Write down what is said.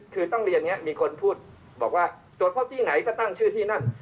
คือต้องเรียนอย่างนี้มีคนพูดบอกว่าตรวจพบที่ไหนก็ตั้งชื่อที่นั่น